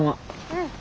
うん。